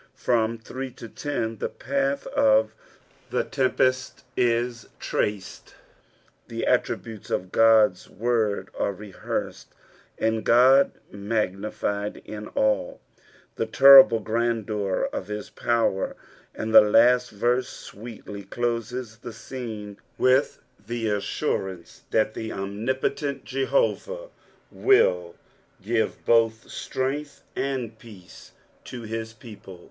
J^Vvm S to 10 the path if the tempest is traced, Vie attributes qf OoiTa word are rehearsed, and Ood maijnified in ^ the terrible grandeur qf his power ; and Ihe last verse sweetly doMS ihe scene with the assuntnce that the omnipoieTit Jehovah wui give both length artd peace lo his people.